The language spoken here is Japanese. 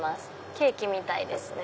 ケーキみたいですね